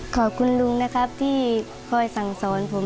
ขอบคุณลุงนะครับที่คอยสั่งสอนผม